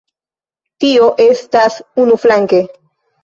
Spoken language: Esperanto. Tio estas unuflanke.